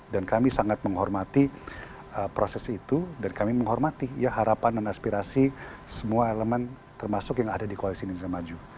dan kami sangat menghormati proses itu dan kami menghormati ya harapan dan aspirasi semua elemen termasuk yang ada di koalisi indonesia maju